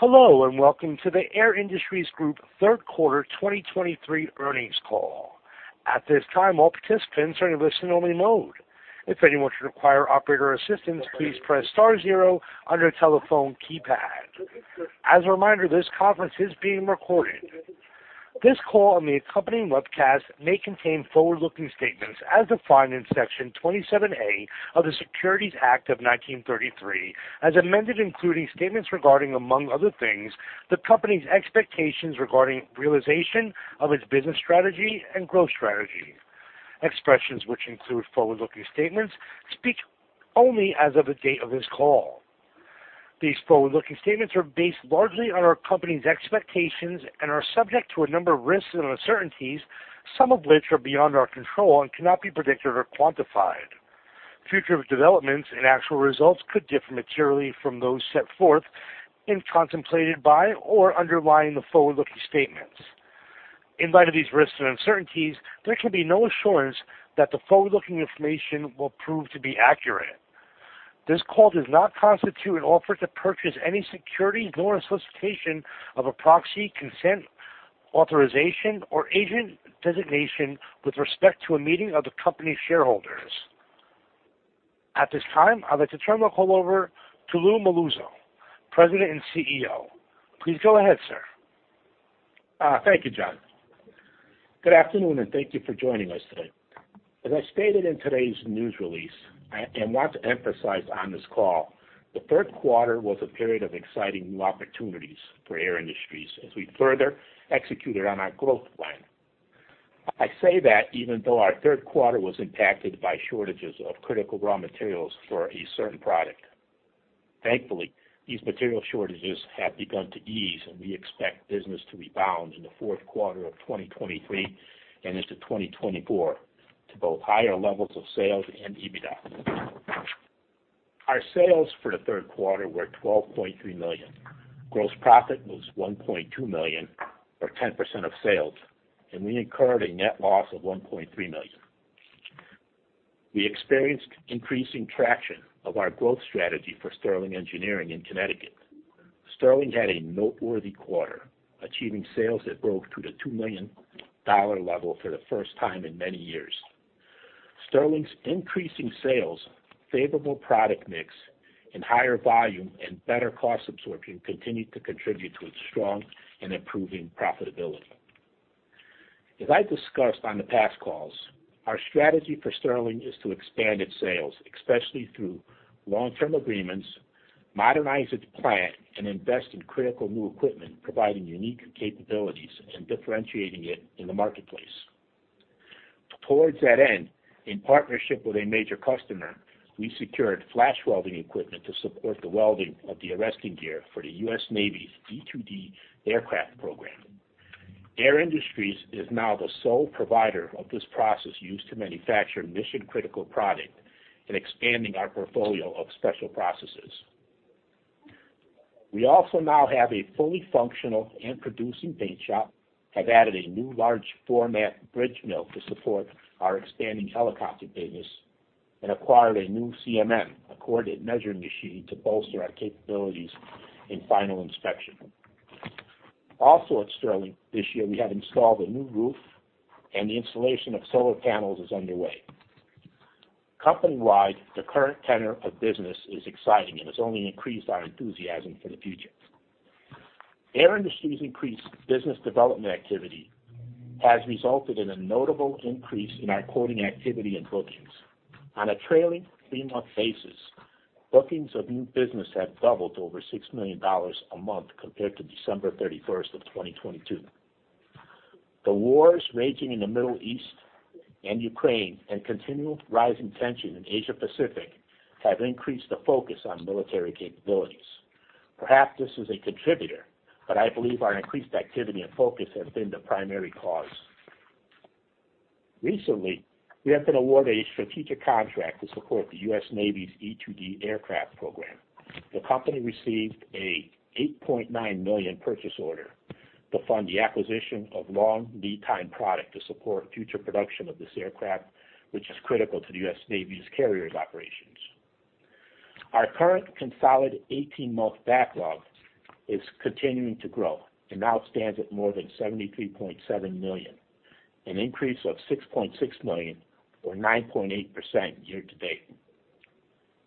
Hello, and welcome to the Air Industries Group third quarter 2023 earnings call. At this time, all participants are in listen-only mode. If anyone should require operator assistance, please press star zero on your telephone keypad. As a reminder, this conference is being recorded. This call and the accompanying webcast may contain forward-looking statements as defined in Section 27A of the Securities Act of 1933, as amended, including statements regarding, among other things, the company's expectations regarding realization of its business strategy and growth strategy. Expressions which include forward-looking statements speak only as of the date of this call. These forward-looking statements are based largely on our company's expectations and are subject to a number of risks and uncertainties, some of which are beyond our control and cannot be predicted or quantified. Future developments and actual results could differ materially from those set forth and contemplated by or underlying the forward-looking statements. In light of these risks and uncertainties, there can be no assurance that the forward-looking information will prove to be accurate. This call does not constitute an offer to purchase any security, nor a solicitation of a proxy, consent, authorization, or agent designation with respect to a meeting of the company's shareholders. At this time, I'd like to turn the call over to Lou Melluzzo, President and CEO. Please go ahead, sir. Thank you, John. Good afternoon, and thank you for joining us today. As I stated in today's news release, and want to emphasize on this call, the third quarter was a period of exciting new opportunities for Air Industries as we further executed on our growth plan. I say that even though our third quarter was impacted by shortages of critical raw materials for a certain product. Thankfully, these material shortages have begun to ease, and we expect business to rebound in the fourth quarter of 2023 and into 2024 to both higher levels of sales and EBITDA. Our sales for the third quarter were $12.3 million. Gross profit was $1.2 million, or 10% of sales, and we incurred a net loss of $1.3 million. We experienced increasing traction of our growth strategy for Sterling Engineering in Connecticut. Sterling had a noteworthy quarter, achieving sales that broke through the $2 million level for the first time in many years. Sterling's increasing sales, favorable product mix, and higher volume and better cost absorption continued to contribute to its strong and improving profitability. As I discussed on the past calls, our strategy for Sterling is to expand its sales, especially through long-term agreements, modernize its plant, and invest in critical new equipment, providing unique capabilities, and differentiating it in the marketplace. Towards that end, in partnership with a major customer, we secured flash welding equipment to support the welding of the arresting gear for the U.S. Navy's E-2D aircraft program. Air Industries is now the sole provider of this process used to manufacture mission-critical product and expanding our portfolio of special processes. We also now have a fully functional and producing paint shop, have added a new large format bridge mill to support our expanding helicopter business, and acquired a new CMM, a coordinate measuring machine, to bolster our capabilities in final inspection. Also at Sterling this year, we have installed a new roof, and the installation of solar panels is underway. Company-wide, the current tenor of business is exciting and has only increased our enthusiasm for the future. Air Industries' increased business development activity has resulted in a notable increase in our quoting activity and bookings. On a trailing three-month basis, bookings of new business have doubled to over $6 million a month compared to December 31, 2022. The wars raging in the Middle East and Ukraine and continual rising tension in Asia Pacific have increased the focus on military capabilities. Perhaps this is a contributor, but I believe our increased activity and focus have been the primary cause. Recently, we have been awarded a strategic contract to support the U.S. Navy's E-2D aircraft program. The company received an $8.9 million purchase order to fund the acquisition of long lead time product to support future production of this aircraft, which is critical to the U.S. Navy's carrier operations. Our current consolidated 18-month backlog is continuing to grow and now stands at more than $73.7 million, an increase of $6.6 million, or 9.8% year to date.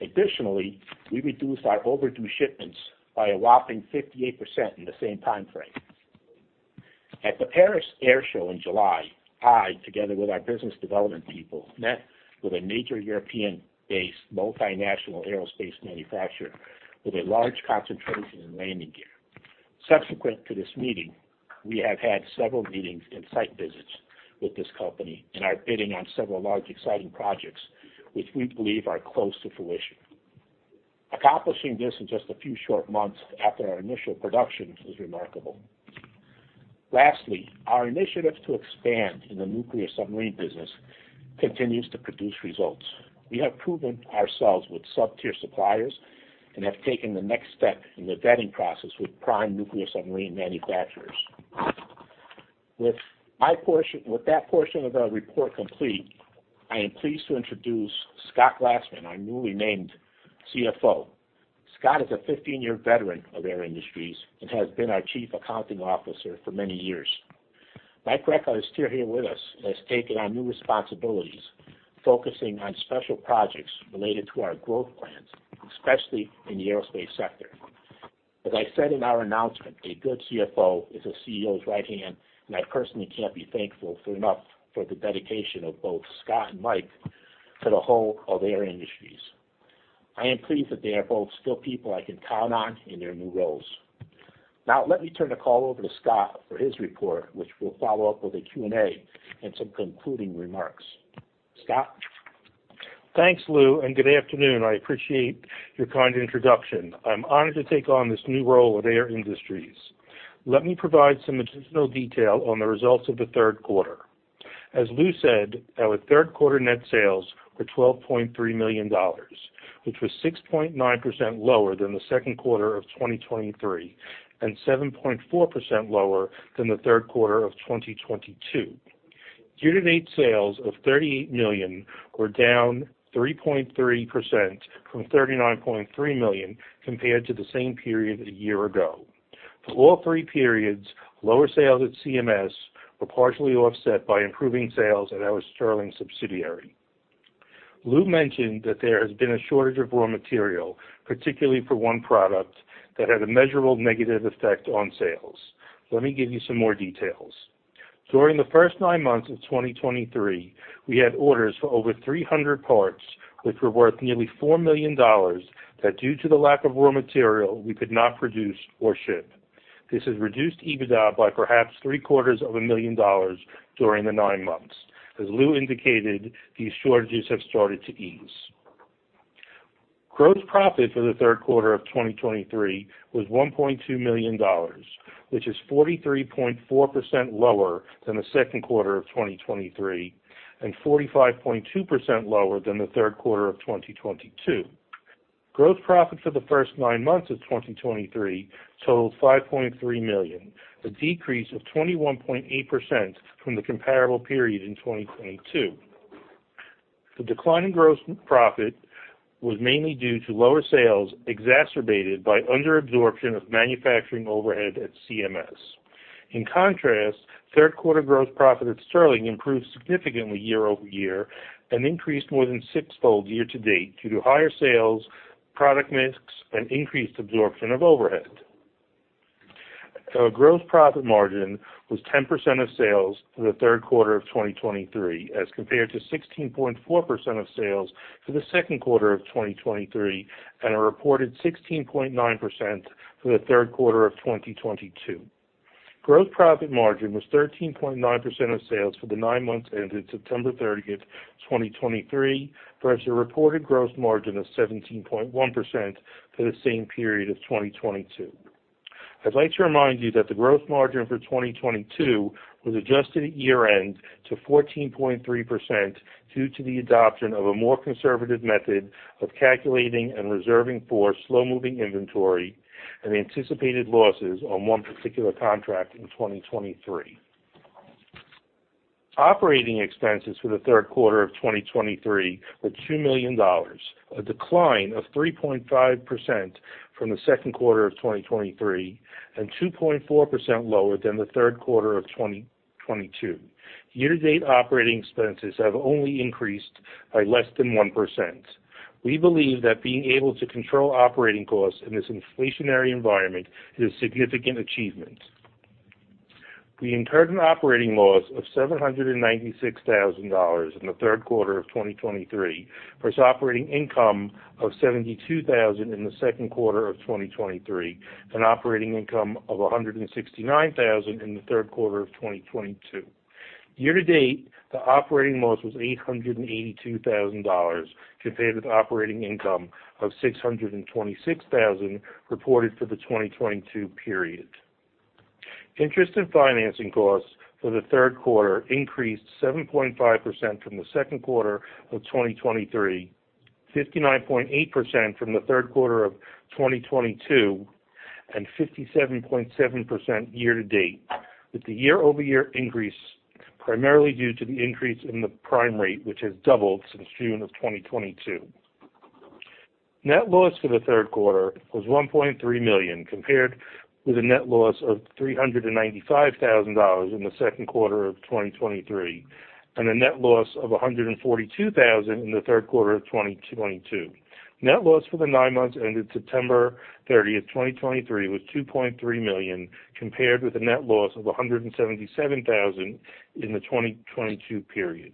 Additionally, we reduced our overdue shipments by a whopping 58% in the same time frame. At the Paris Air Show in July, I, together with our business development people, met with a major European-based multinational aerospace manufacturer with a large concentration in landing gear. Subsequent to this meeting, we have had several meetings and site visits with this company and are bidding on several large, exciting projects which we believe are close to fruition. Accomplishing this in just a few short months after our initial production is remarkable. Lastly, our initiative to expand in the nuclear submarine business continues to produce results. We have proven ourselves with sub-tier suppliers and have taken the next step in the vetting process with prime nuclear submarine manufacturers.... With my portion, with that portion of our report complete, I am pleased to introduce Scott Glassman, our newly named CFO. Scott is a 15-year veteran of Air Industries and has been our Chief Accounting Officer for many years. Mike Recca is still here with us and has taken on new responsibilities, focusing on special projects related to our growth plans, especially in the aerospace sector. As I said in our announcement, a good CFO is a CEO's right hand, and I personally can't be thankful enough for the dedication of both Scott and Mike to the whole of Air Industries. I am pleased that they are both still people I can count on in their new roles. Now, let me turn the call over to Scott for his report, which we'll follow up with a Q&A and some concluding remarks. Scott? Thanks, Lou, and good afternoon. I appreciate your kind introduction. I'm honored to take on this new role with Air Industries. Let me provide some additional detail on the results of the third quarter. As Lou said, our third quarter net sales were $12.3 million, which was 6.9% lower than the second quarter of 2023, and 7.4% lower than the third quarter of 2022. Year-to-date sales of $38 million were down 3.3% from $39.3 million compared to the same period a year ago. For all three periods, lower sales at CMS were partially offset by improving sales at our Sterling subsidiary. Lou mentioned that there has been a shortage of raw material, particularly for one product, that had a measurable negative effect on sales. Let me give you some more details. During the first nine months of 2023, we had orders for over 300 parts, which were worth nearly $4 million, that due to the lack of raw material, we could not produce or ship. This has reduced EBITDA by perhaps $750,000 during the nine months. As Lou indicated, these shortages have started to ease. Gross profit for the third quarter of 2023 was $1.2 million, which is 43.4% lower than the second quarter of 2023, and 45.2% lower than the third quarter of 2022. Gross profit for the first nine months of 2023 totaled $5.3 million, a decrease of 21.8% from the comparable period in 2022. The decline in gross profit was mainly due to lower sales, exacerbated by under absorption of manufacturing overhead at CMS. In contrast, third quarter gross profit at Sterling improved significantly year-over-year and increased more than six fold year to date due to higher sales, product mix, and increased absorption of overhead. Our gross profit margin was 10% of sales for the third quarter of 2023, as compared to 16.4% of sales for the second quarter of 2023, and a reported 16.9% for the third quarter of 2022. Gross profit margin was 13.9% of sales for the nine months ended September 30, 2023, versus a reported gross margin of 17.1% for the same period of 2022. I'd like to remind you that the gross margin for 2022 was adjusted at year-end to 14.3% due to the adoption of a more conservative method of calculating and reserving for slow-moving inventory and anticipated losses on one particular contract in 2023. Operating expenses for the third quarter of 2023 were $2 million, a decline of 3.5% from the second quarter of 2023, and 2.4% lower than the third quarter of 2022. Year-to-date operating expenses have only increased by less than 1%. We believe that being able to control operating costs in this inflationary environment is a significant achievement. We incurred an operating loss of $796,000 in the third quarter of 2023, versus operating income of $72,000 in the second quarter of 2023, and operating income of $169,000 in the third quarter of 2022. Year to date, the operating loss was $882,000, compared with operating income of $626,000 reported for the 2022 period. Interest and financing costs for the third quarter increased 7.5% from the second quarter of 2023, 59.8% from the third quarter of 2022, and 57.7% year to date, with the year-over-year increase primarily due to the increase in the prime rate, which has doubled since June of 2022. Net loss for the third quarter was $1.3 million, compared with a net loss of $395,000 in the second quarter of 2023, and a net loss of $142,000 in the third quarter of 2022. Net loss for the nine months ended September 30, 2023, was $2.3 million, compared with a net loss of $177,000 in the 2022 period.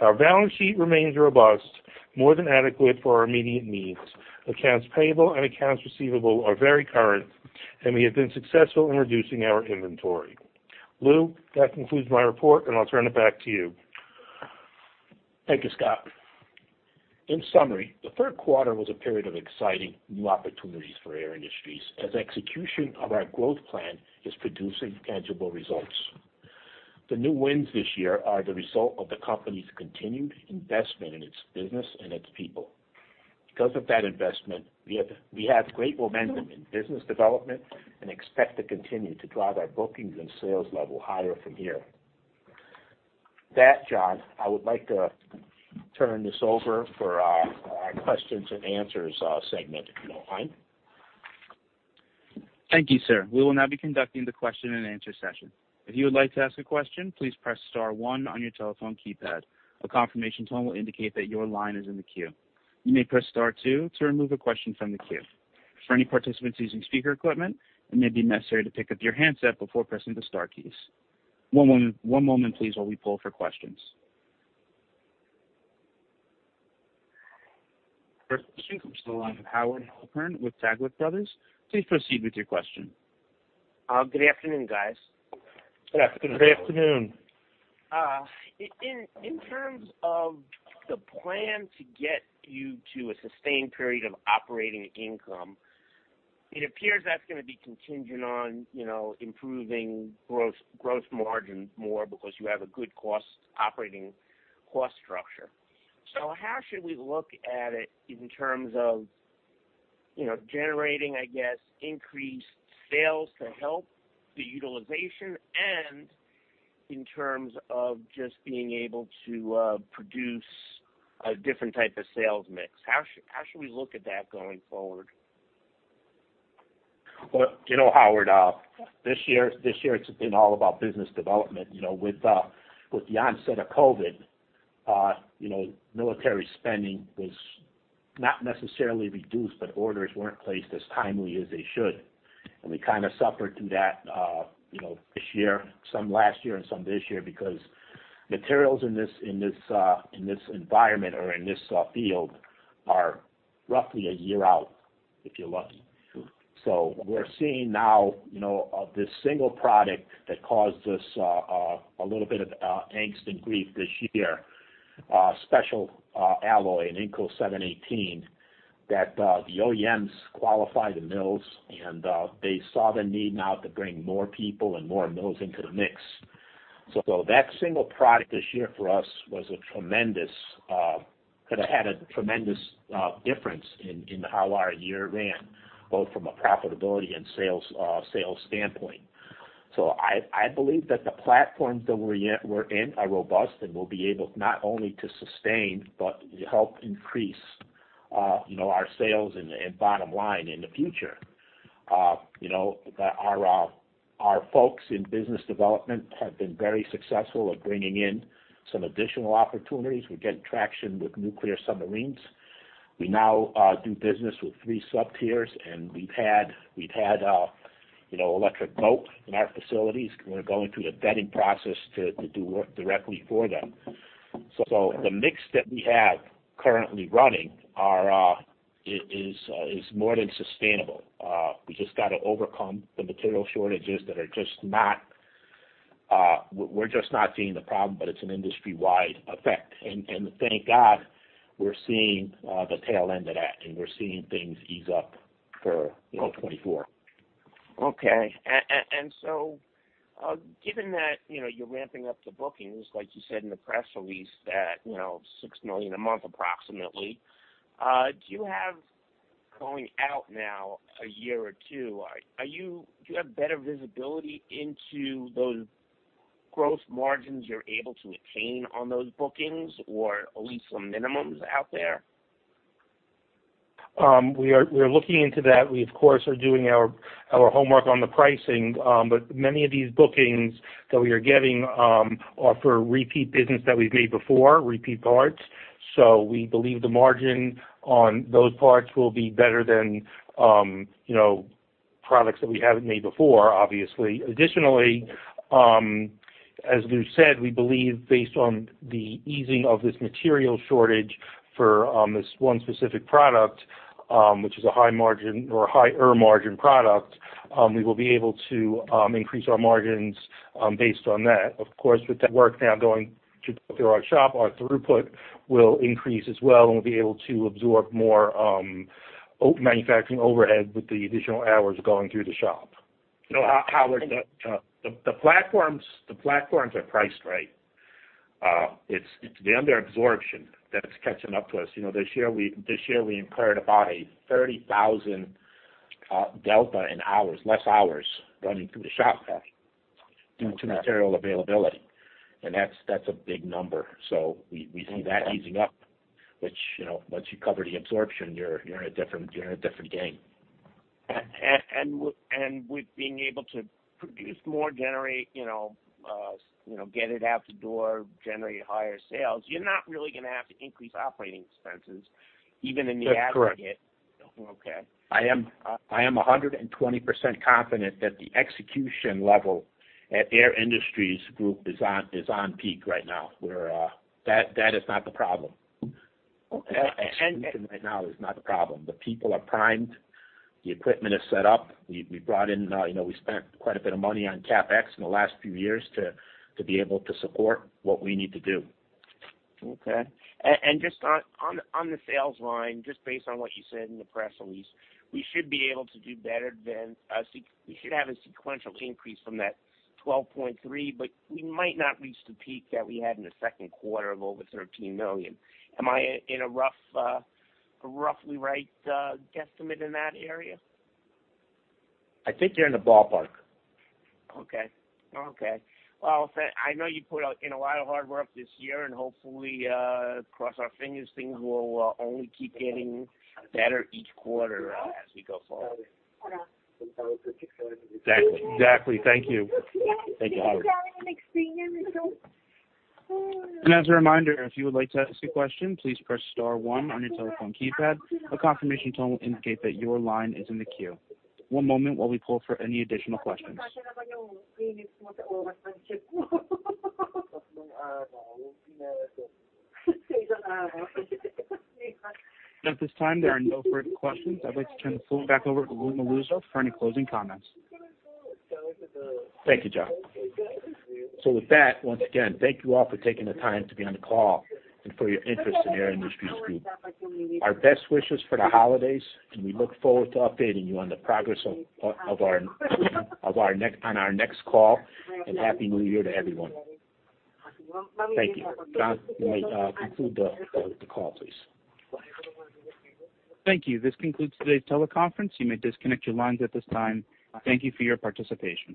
Our balance sheet remains robust, more than adequate for our immediate needs. Accounts payable and accounts receivable are very current, and we have been successful in reducing our inventory. Lou, that concludes my report, and I'll turn it back to you. Thank you, Scott. In summary, the third quarter was a period of exciting new opportunities for Air Industries, as execution of our growth plan is producing tangible results. The new wins this year are the result of the company's continued investment in its business and its people.... Because of that investment, we have, we have great momentum in business development and expect to continue to drive our bookings and sales level higher from here. With that, John, I would like to turn this over for our questions and answers segment, if you don't mind. Thank you, sir. We will now be conducting the question and answer session. If you would like to ask a question, please press star one on your telephone keypad. A confirmation tone will indicate that your line is in the queue. You may press star two to remove a question from the queue. For any participants using speaker equipment, it may be necessary to pick up your handset before pressing the star keys. One moment, one moment, please, while we pull for questions. First question comes from the line of Howard Halpern with Taglich Brothers. Please proceed with your question. Good afternoon, guys. Good afternoon. Good afternoon. In terms of the plan to get you to a sustained period of operating income, it appears that's gonna be contingent on, you know, improving gross margin more because you have a good cost operating cost structure. So how should we look at it in terms of, you know, generating, I guess, increased sales to help the utilization and in terms of just being able to produce a different type of sales mix? How should we look at that going forward? Well, you know, Howard, this year, this year it's been all about business development. You know, with, with the onset of COVID, you know, military spending was not necessarily reduced, but orders weren't placed as timely as they should. And we kind of suffered through that, you know, this year, some last year and some this year, because materials in this, in this, in this environment or in this, field are roughly a year out, if you're lucky. So we're seeing now, you know, this single product that caused us, a little bit of, angst and grief this year, special, alloy, Inco 718, that, the OEMs qualify the mills, and, they saw the need now to bring more people and more mills into the mix. So that single product this year for us was a tremendous, kind of had a tremendous difference in how our year ran, both from a profitability and sales standpoint. So I believe that the platforms that we're in are robust, and we'll be able not only to sustain, but help increase, you know, our sales and bottom line in the future. You know, our folks in business development have been very successful at bringing in some additional opportunities. We're getting traction with nuclear submarines. We now do business with three sub-tiers, and we've had Electric Boat in our facilities. We're going through a vetting process to do work directly for them. So the mix that we have currently running is more than sustainable. We just got to overcome the material shortages that are just not, we're just not seeing the problem, but it's an industry-wide effect. And thank God, we're seeing the tail end of that, and we're seeing things ease up for, you know, 2024. Okay. So, given that, you know, you're ramping up the bookings, like you said in the press release, that, you know, $6 million a month approximately, do you have going out now a year or two, are you, do you have better visibility into those growth margins you're able to attain on those bookings or at least some minimums out there? We are looking into that. We, of course, are doing our homework on the pricing, but many of these bookings that we are getting are for repeat business that we've made before, repeat parts. So we believe the margin on those parts will be better than, you know, products that we haven't made before, obviously. Additionally, as Lou said, we believe based on the easing of this material shortage for this one specific product, which is a high margin or higher margin product, we will be able to increase our margins based on that. Of course, with that work now going through our shop, our throughput will increase as well, and we'll be able to absorb more manufacturing overhead with the additional hours going through the shop. So Howard, the platforms are priced right. It's the under absorption that's catching up to us. You know, this year we incurred about a 30,000 delta in hours, less hours running through the shop due to material availability, and that's a big number. So we see that easing up, which, you know, once you cover the absorption, you're in a different game. And with being able to produce more, generate, you know, you know, get it out the door, generate higher sales, you're not really gonna have to increase operating expenses even in the aggregate. That's correct. Okay. I am 100% confident that the execution level at Air Industries Group is on peak right now, where that is not the problem. Okay. Right now is not the problem. The people are primed, the equipment is set up. We brought in, you know, we spent quite a bit of money on CapEx in the last few years to be able to support what we need to do. Okay. And just on the sales line, just based on what you said in the press release, we should be able to do better than we should have a sequential increase from that $12.3 million, but we might not reach the peak that we had in the second quarter of over $13 million. Am I in a rough, a roughly right, guesstimate in that area? I think you're in the ballpark. Okay. Okay. Well, I know you put in a lot of hard work this year, and hopefully, cross our fingers, things will only keep getting better each quarter as we go forward. Exactly. Exactly. Thank you. Thank you, Howard. As a reminder, if you would like to ask a question, please press star one on your telephone keypad. A confirmation tone will indicate that your line is in the queue. One moment while we pull for any additional questions. At this time, there are no further questions. I'd like to turn the floor back over to Lou Melluzzo for any closing comments. Thank you, John. So with that, once again, thank you all for taking the time to be on the call and for your interest in Air Industries Group. Our best wishes for the holidays, and we look forward to updating you on the progress of our next call, and Happy New Year to everyone. Thank you. John, you may conclude the call, please. Thank you. This concludes today's teleconference. You may disconnect your lines at this time. Thank you for your participation.